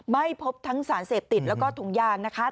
ไม่พบทั้งสารเสพติดแล้วก็ถุงยางนะคะ